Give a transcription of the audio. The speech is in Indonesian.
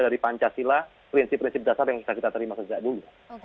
dari pancasila prinsip prinsip dasar yang sudah kita terima sejak dulu